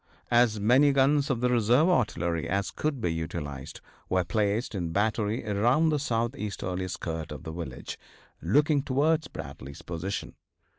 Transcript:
As many guns of the reserve artillery as could be utilized were placed in battery around the southeasterly skirt of the village, looking towards Bradley's position.